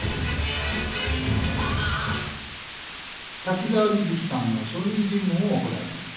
滝沢美月さんの証人尋問を行います。